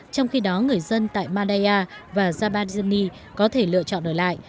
trong khi đó người dân tại madaya và jabajani có thể lựa chọn ở lại